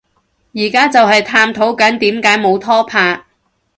而家就係探討緊點解冇拖拍